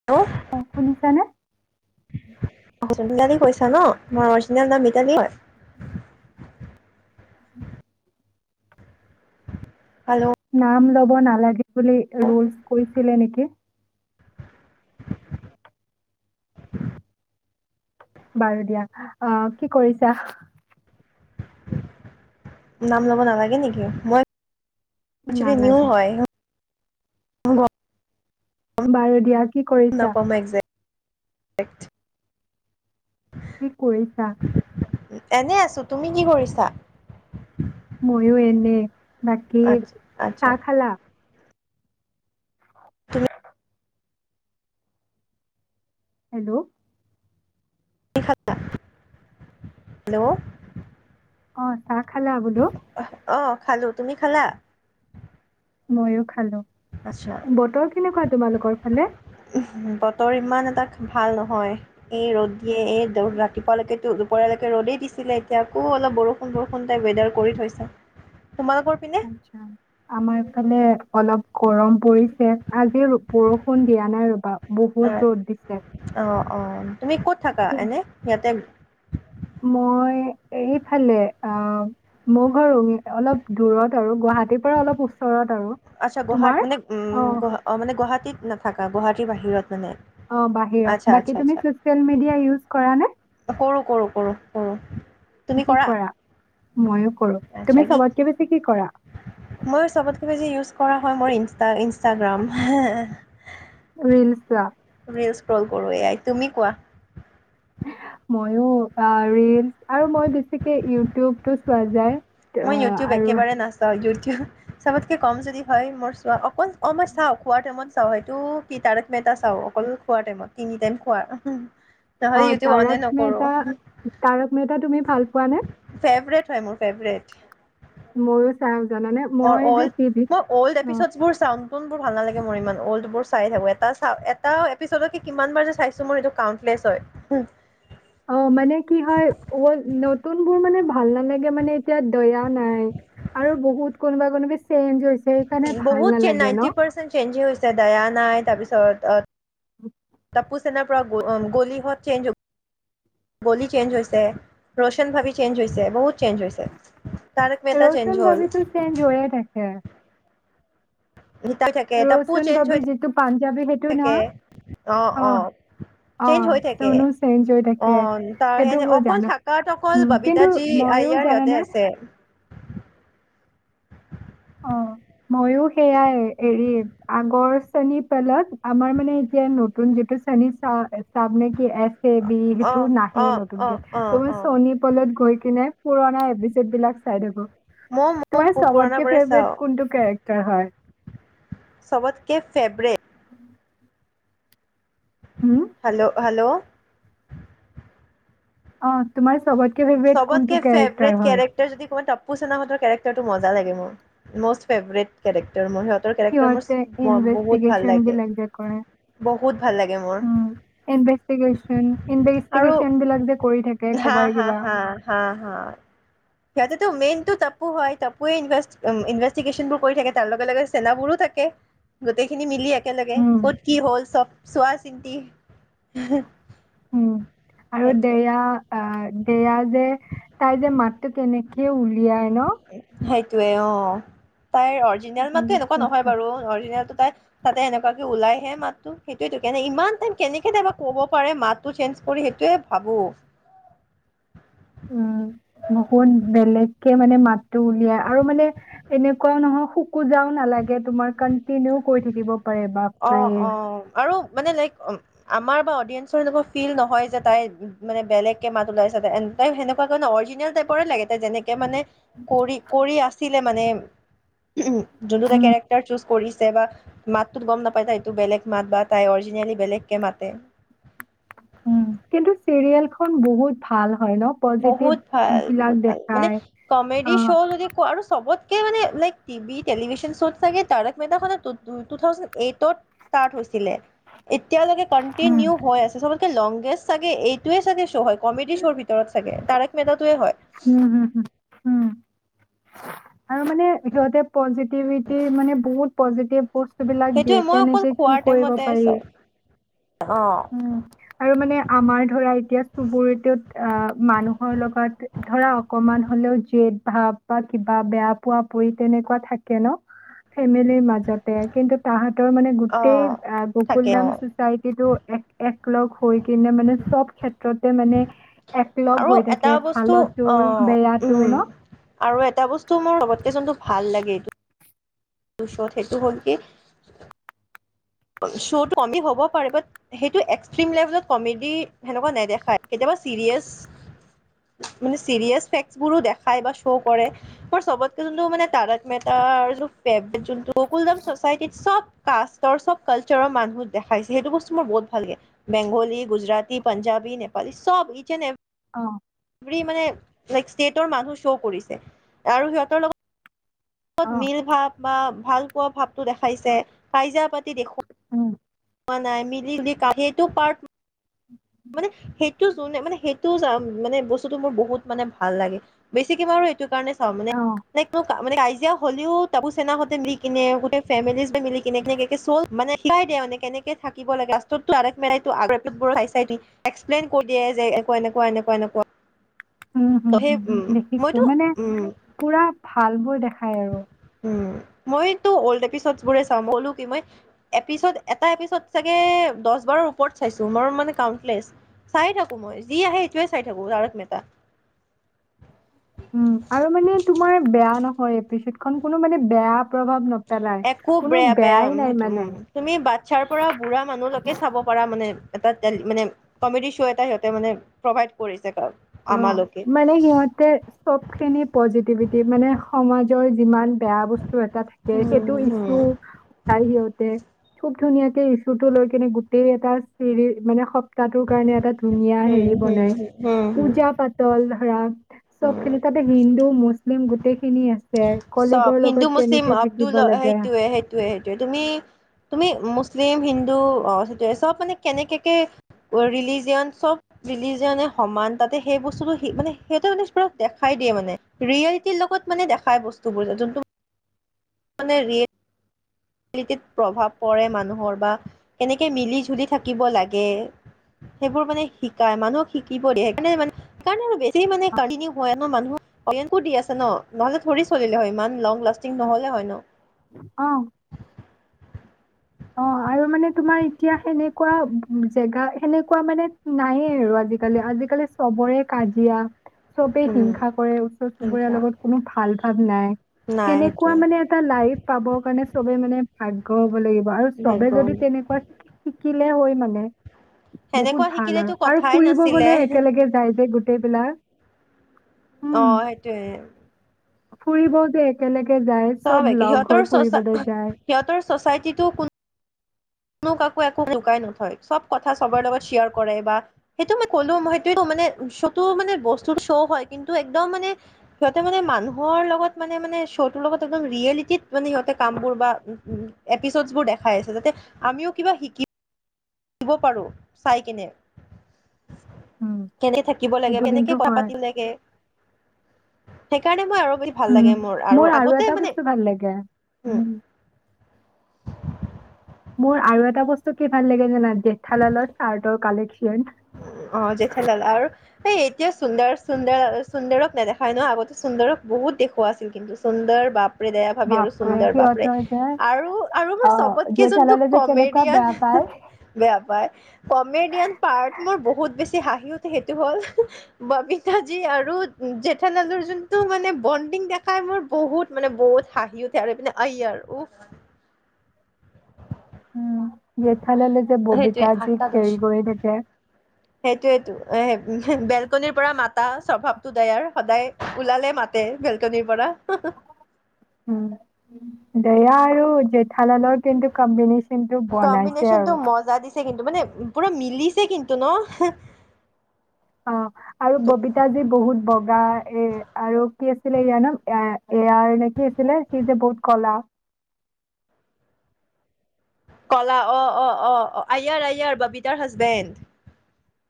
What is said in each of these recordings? [inaudible] শুনিছানে? ধেমালী কৰিছা ন মোৰ অৰিজিনেল নাম মিতালী হয়। [unintelligible] হেল্ল' নাম ল'ব নালাগে বুলি ৰুলচ কৈছিলে নেকি? বাৰু দিয়া অ কি কৰিছা? নাম ল'ব নালাগে নেকি? মই [inaudible] নিউ নালাগে হয়। গম বাৰু দিয়া কি কৰিছা? নাপাওঁ মই একজেক্ট কি কৰিছা? এনে আছো, তুমি কি কৰিছা? ময়ো এনেই বাকী আচ্ছা আচ্ছা চাহ খালা? তুমি হেল্ল কি খালা, হেল্ল'। অ চাহ খালা বোলো? অ খালো তুমি খালা? ময়ো খালো আচ্ছা বতৰ কেনেকুৱা তোমালোকৰ ফালে। বতৰ ইমান এটা ভাল নহয়। এই ৰ'দ দিয়ে, এই ৰাতিপুৱা লৈকেতো দুপৰীয়ালৈকে ৰ'দেই দিছিলে। এতিয়া আকৌ অলপ বৰষুণ বৰষুণ টাইপ ৱেদাৰ কৰি থৈছে তোমালোকৰ? পিনে আটচা আমাৰ ফালে অলপ গৰম পৰিছে আজিৰ বৰষূণ। ফোন দিয়া নাই ৰ'বা। বহুত অ ৰ'দ দিছে। অ অ তুমি ক'ত থাকা এনে ইয়াতে? মই এইফালে আ। মোৰ ঘৰ ৰুঙ অলপ দূৰত আৰু গুৱাহাটীৰ পৰা অলপ ওচৰত আৰু। আচ্ছা তোমাৰ? গুৱাহাটী মানে উ অ', মানে গুৱাহাটীত নাথাকা গুৱাহাটীৰ বাহিৰত মানে? আচ্ছা বাহিৰত। আচ্ছা বাকী তুমি ছ'চিয়েল মিডিয়া ইউজ কৰা নে? কৰোঁ কৰোঁ কৰোঁ কৰোঁ। কি কৰা? ময়ো কৰো, আচ্ছা তুমি কি চবতকে বেছি কি কৰা? মই চবতকে বেছি ইউজ কৰা হয় মোৰ ইন ইনষ্টাগ্ৰাম। [unintelligible] ৰিলচ কল কৰো এয়াই তুমি কোৱা? ময়ো আ ৰীলচ আৰু মই বেছিকে ইউটিউবটো চোৱা যায়। মই অ', ইউটিউব আৰু একেবাৰে নাচাওঁ। ইউটিউব চবতকে কম যদি হয় মোৰ চোৱা অকল অ' মই চাওঁ খোৱাৰ টাইমত চাওঁ সেইটো টাৰক মেহতা চাও অকল খোৱাৰ টাইমত তিনি টাইম খোৱা। নহ'লে অ' ইউটিউব অনে তাৰাক নকৰোঁ মেহতা, তাৰাক মেহতা তুমি ভাল পোৱানে? ফেভৰেট হয় মোৰ ফেভৰেট। ময়ো চাওঁ জানানে। মই যে অল্ড টিভিত মই অল্ড অ এপিচোড বোৰ চাও। নতুনবোৰ ভাল নালাগে মোৰ ইমান, অল্ডবোৰ চাই থাকোঁ। এটা এটা এপিচডকে কিমান বাৰ যে চাইছো মোৰ সেইটো কাউণ্টলেছ হয়। [unintelligible] অঁ মানে কি হয়, অ' নতুনবোৰ মানে ভাল নালাগে মানে এতিয়া দয়া নাই। আৰু বহুত কোনোবা-কোনোবি চেঞ্জ হৈছে সেইকাৰণে ভাল বহুত নালাগে নাইনটি ন। পাৰ্চেন্ট চেঞ্জ হৈছে গৈছে দয়া নাই তাৰপিছত [unintelligible] [unintelligible] গলি চেঞ্জ হৈছে, ৰোচন ভাবি চেঞ্জ হৈছে বহুত চেঞ্জ হৈছে। তাৰক মেহতা চেঞ্জ ৰৌচন হ'ল ভাবিটো চেঞ্জ হৈয়ে থাকে। [unintelligible] ৰৌচন বাবি যিটো পাঞ্জাবী সেইটো ন থাকে অ অ অ চেঞ্জ হৈ থাকে, চনো চেঞ্জ হৈ অ থাকে তাৰ সেইটো সেনে মই অকল জানো থাকাত অকল উম কিন্তু সবিতাজী মইও আয়াৰ সিহঁতে জানানে আছে। মইও সেয়াই হেৰি আগৰ শ্ৰেণী পেলাত আমাৰ মানে এতিয়া নতুন জে চনি চ চাব নে কি এছে বি সেইটো অ', নাহে অ', নতুনকে অ', ত অ', মই অ', চনি পলত গৈ কিনে পুৰনা এপছদ বিলাক চাই থাকো মই মোৰ তোমাৰ ছবতকে পুৰণাবোৰে ফেভৰেট চাওঁ। কোনটো কেৰেকটাৰ হয় চবতকে ফেবৰেট [unintelligible] হুম হেল্ল' হেল্ল'। অ তোমাৰ চবতকে ফেভৰেট চবতকে কোনটো ফেভৰেট কেৰেক্টাৰ হয় কেৰেক্টাৰ যদি কওঁ টপ্পোচেনৰ হেতৰ কেৰেক্টাৰটো মজা লাগে মোৰ, মষ্ট ফেভৰেট। কেৰেক্টাৰ মোৰ সিহতৰ কেৰেক্টাৰ সিহঁতে মোৰ বহুত ভাল ইনভেষ্টিগেশ্যন লাগে, বিলাক যে কৰে বহুত ভাল লাগে মোৰ। উম, ইনভেষ্টিকেচন, আৰু ইনভেষ্টিকেচন বিলাক যে কৰি থাকে থাকে হা কবাৰ হা কিবা। হা হা হা সিহঁতেতো মেইনটো তপ্পো হয়, তপ্পোয়ে ইনভে ইনভেষ্টিকেশ্যনবোৰ কৰি থাকে তাৰ লগে লগে চেনাবোৰো থাকে। গোটেইখিনি মিলি একেলগে উম কত কি হ'ল চব চোৱা চিন্তি হে উম, আৰু দেইয়া অ দেইয়া যে, তাই যে মাতটো কেনেকে উলিয়াই ন। সেইটোয়ে অ তাইৰ অৰজিনেল মাততো বহুত এনেকুৱা কষ্ট নহয় বাৰু অৰজিনেলটো তাই তাতে এনেকুৱাকে ওলাইহে মাততো, সেইটোৱেইটো কেনেকে ইমান টাইম কেনেকে থাকে ক'ব পাৰে মাতটো চেঞ্জ কৰি সেইটোয়ে ভাবো। উম বহুত বেলেগ কে মানে মাতটো উলিয়াই আৰু মানে এনেকুৱাও নহয় খোকোযাও নালাগে গে তোমাৰ কন্টিনিউ কৰি থাকিব পাৰে অ বাপৰে। অ আৰু মানে লাইক আমাৰ বা অডিয়েঞ্চৰ লগত ফিল্ড নহয় যে তাই মানে বেলেগকে মাত উলিয়াইছে তাই সেনেকুৱা নহয় অৰজিনেল টাইপৰে লাগে তাই যেনেকে কে মানে কৰি কৰি আছিলে মানে, উম যোনটো তাইৰ উম কেৰেক্টাৰ চুজ কৰিছে বা মাতটোত গম নাপাই তাই বেলেগ মাত বা তাই অৰজিনেলি বেলেগকে মাতে। উম, কিন্তু চিৰিয়েল খন বহুত ভাল হয় ন। পজিটিভ বহুত ভাল বিলাক বহুত ভাল, মানে দেখায় কমেডী অ শ্ব' যদি কৰা চবতকে মানে লাইক, টিভি টেলিভিচন শ্ব'ত চাগে তাৰেক মেহতা খনে টু থাউজেণ্ড এইটত ষ্টাৰ্ট হৈছিলে। এতিয়ালৈকে উম কণ্টিনিউ হৈ আছে চবতকে লংগেষ্ট চাগে এইটোয়ে চাগে শ্ব' হয় কমেডী শ্ব'ৰ ভিতৰত ভিতৰত চাগে তাৰক মেহতা টোৱে হয়। উম হুম হুম, উম, আৰু মানে যদি পজিটিভিটি মানে বহুত পজিটিভ বস্তু বিলাক দিয়ে সেইটোৱে মই অকল কেনেকে কি খোৱাৰ কৰিব টাইমতে পাৰি। চাওঁ [inaudible] অ উম আৰু মানে আমাৰ ধৰা এতিয়া চুবুৰিটোত আ মানুহৰ লগত ধৰা অকমান হলেও জেদ ভাৱ বা কিবা বেয়া পোৱা পোৱি তেনেকুৱা থাকে ন ফেমিলি মাজত। তে কিন্তু তাহাঁতৰ মানে অ গোটেই আঁহ' গকুল থাকে দাম অ চচাইটিতো এ'- একলগ হৈ কিনে মানে চব ক্ষেত্ৰতে মানে একলগ হৈ থাকে। তো ভালতো অঁ', বেয়াটো উমঁ, ন আৰু এটা বস্তু মোৰ চবতকে যোনটো ভাল লাগে এইটো- দুচত সেইটো হ'ল কি- শ্ব'টো কমি হ'বও পাৰে বাট- সেইটো এক্সট্ৰিম লেভেলত কমেডি সেনেকুৱা নেদেখায় কেতিয়াবা চিৰিয়াছ - মানে ছিৰিয়াছ ফেক্টছবোৰো দেখায় বা শ্ব' কৰে। মোৰ চবতকে যোনটো মানে টাৰকমেতাৰ য পেকবেক যোনটো কুলদাম চচাইটিত চব কাষ্টৰ চব- কালচাৰৰ মানুহ দেখাইছে সেইটো বস্তু মোৰ বহুত ভাল লাগে। বেংগলী, গুজৰাটী, পঞ্জাৱী, নেপালী চব। [inaudible] অঁ',। ফ্ৰী মানে লাইক ষ্টেটৰ মানুহ শ্ব' কৰিছে আৰু সিহঁতৰ লগ- ত অ মিল ভাৱ বা ভাল পোৱা ভাৱটো দেখাইছে, পাইজা পাতি দেখু উম'। পোৱা নাই মিলি-জুলি সেইটো পাৰ্ট মানে সেইটো জোনে, মানে সেইটো জাম মানে বস্তুটো মোৰ বহুত মানে ভাল লাগে। বেছিকে বাৰু এইটো কাৰণে চাওঁ মানে অ লাইক মোক মানে কাজিয়া হ'লেও তাবু চেনাতে মিলিকিনে গোটেই ফেমিলিজবোৰে মিলি কিনে চল মানে বাইদেউ এনেকে-এনেকে থাকিব লাগে, লাষ্টত টো শিকাই মানে কেনেকে থাকিব লে লাষ্টত টো মেল এক্সপ্লেইন কৰি দিয়ে যে একো এনেকুৱা-এনেকুৱা-এনেকুৱা। উম'-হুম-হুম দেখিছো, মইতো মানে উম পুৰা ভালবোৰ দেখাই আৰু। উমঁ, মইতো অল্ড এপিচদ বোৰে চাম, হ'লো কি মই- এপিচদ এটা এপিচদ চাগে দহ বাৰৰ ওপৰত চাইছো মোৰ মানে কাউন্টপ্লেচ। চাই থাকো মই যি আহে এইটোৱে চাই থাকো জাৰত মেতা। উমঁ, আৰু মানে তোমাৰ বেয়া নহয় এপিচিদ খন কোনো মানে বেয়া প্ৰভাৱ ন একো বেয়া-বেয়া উম' সেইটো তুমি বাচ্ছাৰ পৰা বুঢ়া মানুহলৈকে চাব পাৰা মানে। এটা মানে কমেডি শ্ব' এটা সিহঁতে মানে প্ৰভাইড কৰিছে। কাৰণ অঁ', মানে সিহঁতে- চবখিনি পজিটিভিটি মানে সমাজৰ যিমান বেয়া ব- স্তু এটা থাকে সেইটো উম ইছু হম তাই সিহঁতে- খুব ধুনীয়াকে ইচ্যুটো লৈ কেনে গোটেই এটা চিৰি মানে সপ্তাহটোৰ কাৰণে এটা- ধুনীয়া হম হেৰি হম বনাই- হম হম পূজা পাতল ধৰা' হম চবখিনি তা'তে হিন্দু, মুছলিম গোটেইখিনি আছে। চব কলিগৰ লগত কেনেকে থাকিব লাগে। সেইটোয়ে-সেইটোয়ে। তুমি, তুমি মুছলিম, হিন্দু অঁহ' সেইটোৱে, চব মানে কেনেকেকে- অৰিলিজিয়ান চব- বিলি যোনে সমান তা'তে সেই বস্তুটো সেই মানে সেইটো মানে পুৰা দেখাই দিয়ে মানে। ৰিয়েলিটিৰ লগত মানে দেখাই বস্তুবোৰ। যোনটো মানে ৰিয়ে- লিটি প্ৰভাৱ পৰে মানুহৰ বা কেনেকে মিলি জুলি থাকিব লাগে- সেইবোৰ মানে শিকাই মানুহক শিকিব দিয়ে সেইকাৰণে মানে- সেইকাৰণে আৰু বেছি মানে কালিনিও হয় ন' মানুহৰ। অৰিয়েনতো দি আছে ন' নহ'লে থুৰে চলিলে হয় ইমান লং লাষ্টিং নহ'লে হয় ন'। অ অ আৰু মানে তোমাৰ এতিয়া সেনেকোৱা জেগা, সেনেকোৱা মানে নাইয়ে আৰু আজিকালি আজি কালি চবৰে কাজিয়া। চবে উম হিংসা কৰে, ওচৰ চুবুৰীয়াৰ সেনেকুৱা লগত কোনো ভাল ভাৱ নাই নাই সেনেকোৱা সেইটোয়ে মানে এটা লাইফ পাবৰ কাৰণে চবে মানে ভাগ্য হ'ব লাগিব আৰু চবে ভাগ্য যদি তেনেকোৱা শিকিলে হয় মানে বহুত সেনেকুৱা ভাল আৰু, শিকিলেতো আৰু কথাই ফুৰিব নাছিলে গ'লে একেলগে যায়গে গোটেইবিলাক। অ সেইটোয়ে ফুৰিবও যে একেলগে যায় চব একে লগ সিহঁতৰ হৈ চচা ফুৰিবলৈ যায়। সিহঁতৰ ছ'চাইটিটো কো নো কাকো একো লুকাই নথয়, চব কথা চবৰে লগত শ্বেয়াৰ কৰে বা সেইটো মই ক'লো মই সেইটো মানে শ্ব'টো মানে বস্তুৰ শ্ব' হয়, কিন্তু একদম মানে সিহঁতে মানে মানুহৰ লগত মানে মানে শ্ব'টোৰ লগত একদম ৰিয়েলিটিত মানে সিহঁতে কামবোৰ বা উ উ এপিছ'ড বোৰ দেখাই আছে যাতে আমিও কিবা শিকি ব পাৰো চাই কিনে। উম, কেনে থাকিব লাগে বা সেইটো কেনেকে কিন্তু কথা হয়। পাতি লাগে সেইকাৰণে মই আৰু ভাল উম লাগে মোৰ আৰু আগতে এটা মানে বস্তু ভাল লাগে উম মোৰ আৰু এটা বস্তু কি ভাল লাগে জানা জেঠালালৰ চাৰ্টৰ কালেকচন অ জেঠালালৰ হে এতিয়া সুন্দৰ সুন্দৰ সুন্দৰক নেদেখাই ন, আগতে সুন্দৰক বহুত দেখুওৱা আছিল কিন্তু। সুন্দৰ বাপ বেদয়া ভাবি আৰু বাপৰে সুন্দৰ বাপৰে সিহঁতৰ যে আৰু আৰু মোৰ অ', চবতকে যোনটো জেঠালালে যে কেনেকুৱা বেয়া কমেডিয়ান হা পায়। বেয়া পাই কমেডিয়ান পাৰ্ট মোৰ বহুত বেছি হাঁহি উঠে সেইটো হ'ল বমিতাজী আৰু জেঠানালৰ যোনটো মানে বণ্ডিং দেখাই মোৰ বহুত মানে বহুত হাঁহি উঠে আৰু এইপিনে আয়াৰ উফ উম, জেঠালালে যে সেইটোৱে ববিতাক যি খেল কৰি থাকে সেইটোয়েইটো এ বেলকনিৰ পৰা মাতা স্বভাৱটো দয়াৰ সদায় ওলালে মাতে বেলকনিৰ পৰা হু হু উম দয়া আৰু জেঠালালৰ কিন্তু কম্বিনেশন কিন্তু বনাইছে আৰু ছে কিন্তু মানে পুৰা মিলিছে কিন্তু ন। অ আৰু ববিতাজী বহুত বগা এ আৰু কি আছিলে ইয়া ন এ এয়া এনে কি আছিলে সি যে বহুত কলা কলা অ অ অ অ আয়াৰ আয়াৰ ববিতাৰ হাজবেণ্ড।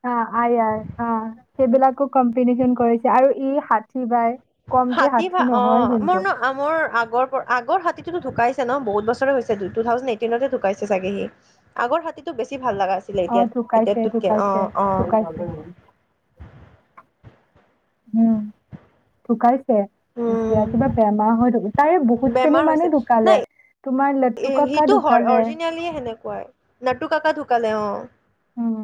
অ আয়াৰ অ সেইবিলাকো কম্পিনেশচন কৰিছে আৰু ই ষাঠি বাই কমটি শাস্তি নহয় কিন্তু আমাৰ আগৰ আগৰ হাতীটোতো ঢুকাইছে ন বহুত বছৰে হৈছে টু থাউজেণ্ড এইটিনতে ঢুকাইছে চাগে সি আগৰ হাতীতো বেছি ভাল লগা আছিলে অ এতিয়া ঢুকাইছে এতিয়াটোতকে অ ঢুকাইছে অ। [unintelligible] উম ঢুকাইছে এতিয়া কিবা উম বেমাৰ হয় তাই বহুতখিনি বেমাৰ হৈছে মানুহ ঢুকালে নাই তোমাৰ লেটু কাকা ঢুকালে। আজি কালি সেনেকোৱাই। লেটু কাকা ঢুকালে অ উম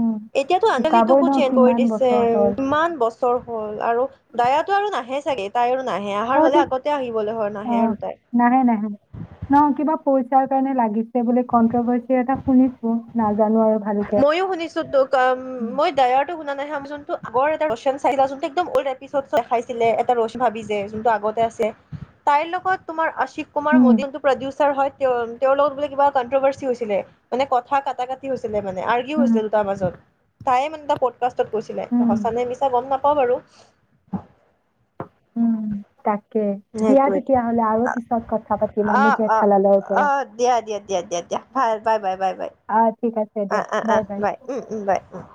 উম এতিয়াতো ঢুকাবই আহকালিটোকো ন চেঞ্জ কৰি কিমান দিছে বছৰ হ'ল কিমান ক ছৰ হ'ল আৰু দয়াটো আৰু নাহে চাগে তাই আৰু নাহে অহাৰ সিহঁতি হলে আগতে আহিবলৈ হয় অ নাহে আৰু তাই নাহে নাহে ন কিবা পইচাৰ কাৰণে লাগিছে বুলে কন্ট্ৰভাৰ্চি এটা শুনিছো নাজানো আৰু ভালকে মই ও শুনিছোঁ ত মই দায়াক শুনা নাই আমি যোনটো আগৰ এটা যোনটো আগতে আছিলে তাইৰ লগত তোমাৰ অশি কুমাৰ উম মডেল টো প্ৰডিউচাৰ হয় তেওঁ তেওঁৰ লগত বোলে কিবা কনট্ৰভাৰ্চি হৈছিলে মানে কথা কাটা কাটি হৈছিলে মানে আৰ্গি উম হৈছিলে তাৰ মাজত তায়ে মানে পকাষ্টনত গৈছিলে এতিয়া উম সঁচানে মিছা গম নাপাওঁ বাৰু উম তাকে দিয়া সেইটোৱে তেতিয়াহ'লে আৰু পিছত কথা পাতিম আমি অ', অ', জেঠালালৰ পৰা অ', দিয়া দিয়া দিয়া দিয়া দিয়া ভাল বাই বাই বাই বাই অ ঠিক আছে আ আ আ বাই উম উম বাই উম